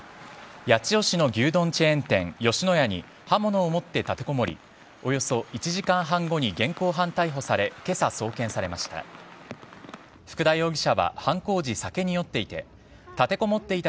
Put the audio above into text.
八千代市の牛丼チェーン店吉野家に刃物を持って立てこもりおよそ１時間半後に現行犯逮捕され今朝、送検されました。